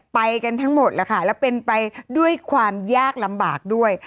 ไปกันทั้งหมดแล้วค่ะแล้วเป็นไปด้วยความยากลำบากด้วย